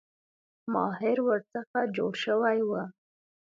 ماهر ورڅخه جوړ شوی وو.